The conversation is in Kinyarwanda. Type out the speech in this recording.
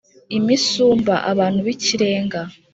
imisumba: abantu b’ikirenga